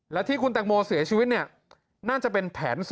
และที่คุณแตงโมเสียชีวิตเนี่ยน่าจะเป็นแผน๒